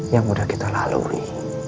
yang udah kita lalui